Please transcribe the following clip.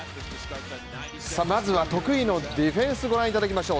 まずは得意のディフェンスをご覧いただきましょう。